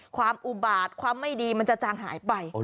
อุบาตความไม่ดีมันจะจางหายไป